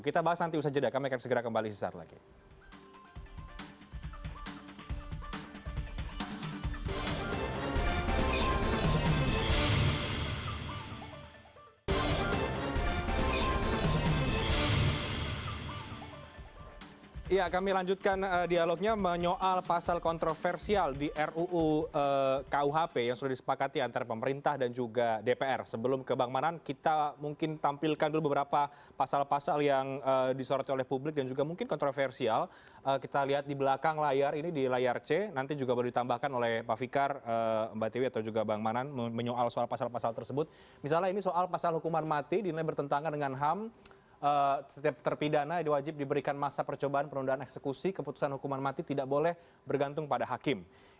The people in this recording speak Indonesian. kita bahas nanti usaha jeda kami akan segera kembali sesaat lagi